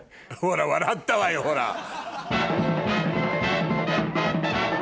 ほら笑ったわよほら。